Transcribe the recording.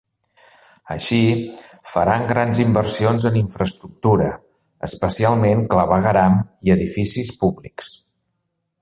Així, faran grans inversions en infraestructura, especialment clavegueram i edificis públics.